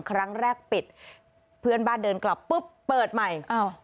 ครั้งแรกปิดเพื่อนบ้านเดินกลับปุ๊บเปิดใหม่อ้าว